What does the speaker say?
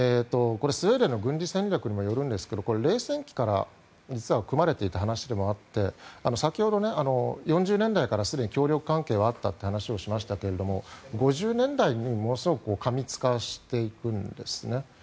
スウェーデンの軍事戦略にもよるんですが冷戦期から実は組まれていた話でもあって先ほど４０年代からすでに協力関係はあったという話をしましたが５０年代に、ものすごく過密化していくんですね。